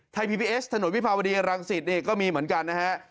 ไทยพีพีเอสถนนวิภาวดีรังศิษย์ก็มีเหมือนกันนะครับ